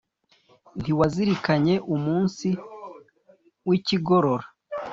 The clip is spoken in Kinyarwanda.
ntiwazirikanye umunsi w’i kigorora?